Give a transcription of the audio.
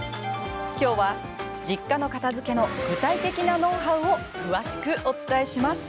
今日は、実家の片づけの具体的なノウハウを詳しくお伝えします。